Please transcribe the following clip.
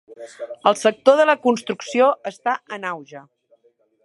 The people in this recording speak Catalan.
El sector de la construcció està en auge.